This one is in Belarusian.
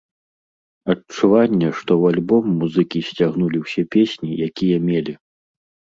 Адчуванне, што ў альбом музыкі сцягнулі ўсе песні, якія мелі.